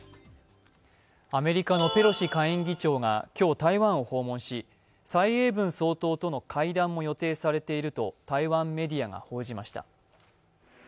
アメリカのペロシ下院議長が今日、台湾を訪問し、蔡英文総統との会談を予定されていると台湾メディアが報じました。